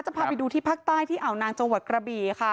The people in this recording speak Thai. พาไปดูที่ภาคใต้ที่อ่าวนางจังหวัดกระบี่ค่ะ